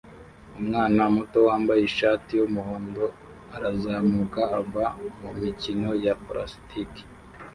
Umwana muto wambaye ishati yumuhondo arazamuka ava mumikino ya plastiki